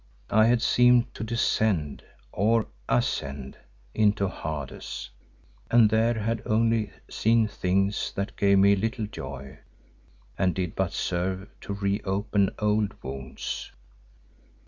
I had seemed to descend, or ascend, into Hades, and there had only seen things that gave me little joy and did but serve to reopen old wounds.